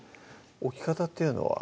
置き方っていうのは？